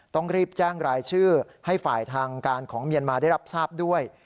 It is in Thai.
ต้องรีบแจ้งรายชื่อให้ฝ่ายทางการของเมียนมาได้รับทราบด้วย